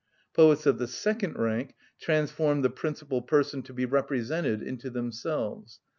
Poets of the second rank transform the principal person to be represented into themselves.